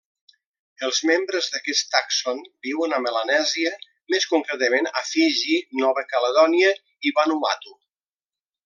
Els membres d'aquest tàxon viuen a Melanèsia, més concretament a Fiji, Nova Caledònia i Vanuatu.